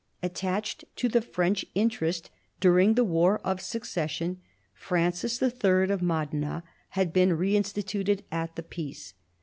Attached to the French interest during the War of Succession, Francis III. of Modena had been reinstated at the peace.